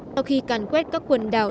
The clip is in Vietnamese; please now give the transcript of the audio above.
sau khi càn quét các quần đảo